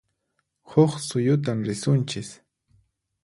Huq suyutan risunchis